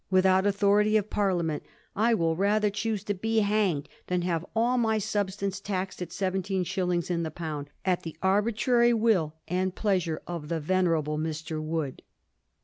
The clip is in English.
without authority of Parliament, I will rather choose to be hanged than have all my substance taxed at seventeen shillings in the pound, at the arbitrary will and pleasure of the venerable Mr. Wood.'